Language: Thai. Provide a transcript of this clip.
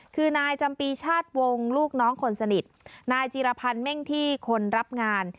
คือนายจำปีชาติวงลูกน้องคนสนิทนายจีรพันธ์เม่งที่คนรับงาน